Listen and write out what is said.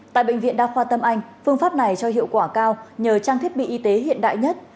tại bệnh viện đa khoa tâm anh phương pháp này cho hiệu quả cao nhờ trang thiết bị y tế hiện đại nhất